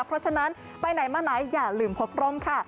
เพราะฉะนั้นไปไหนมาไหนอย่าลืมพกร่มค่ะ